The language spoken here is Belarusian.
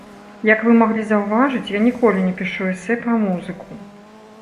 Як вы маглі заўважыць, я ніколі не пішу эсэ пра музыку.